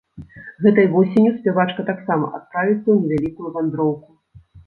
Гэтай восенню спявачка таксама адправіцца ў невялікую вандроўку.